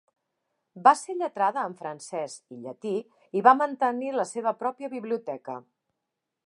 Va ser lletrada en francès i llatí i va mantenir la seva pròpia biblioteca.